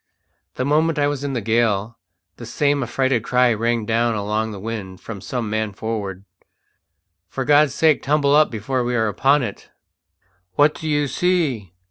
The moment I was in the gale the same affrighted cry rang down along the wind from some man forward: "For God's sake tumble up before we are upon it!" "What do you see?"